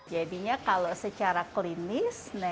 jadinya kalau secara klinis